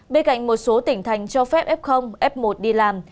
bên cạnh một số tỉnh thành cho phép f f một đi làm